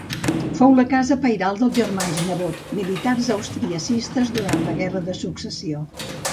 Fou la casa pairal dels Germans Nebot, militars austriacistes durant la Guerra de Successió.